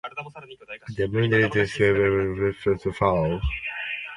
The moon is thus in free fall.